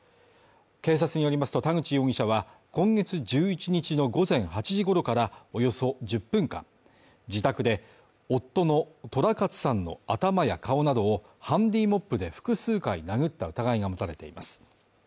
警察によりますと田口容疑者は、今月１１日の午前８時ごろからおよそ１０分間、自宅で夫の寅勝さんの頭や顔などをハンディモップで複数回殴った疑いが持たれています。